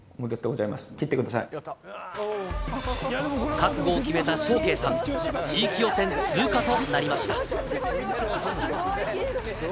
覚悟を決めた祥恵さん、地域予選通過となりました。